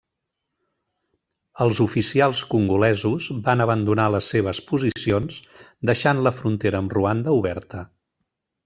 Els oficials congolesos van abandonar les seves posicions, deixant la frontera amb Ruanda oberta.